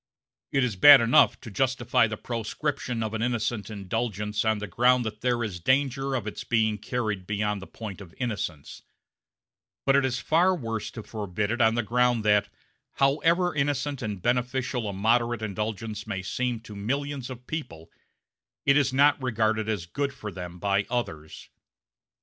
It is bad enough to justify the proscription of an innocent indulgence on the ground that there is danger of its being carried beyond the point of innocence; but it is far worse to forbid it on the ground that, however innocent and beneficial a moderate indulgence may seem to millions of people, it is not regarded as good for them by others.